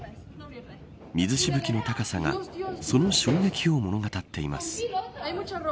水しぶきの高さがその衝撃を物語っています。